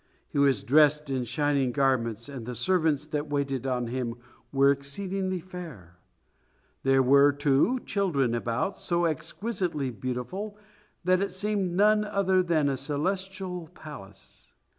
He was dressed in shining garments, and the servants that waited on him were exceedingly fair. There were, too, children about, so exquisitely beautiful that it seemed none other than a celestial palace.